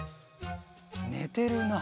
ねてるな。